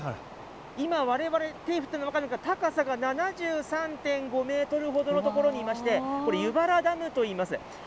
今、われわれ、手振ってるのが分かりますか、高さが７３．５メートルほどの所にいまして、これ、湯原ダムといいます。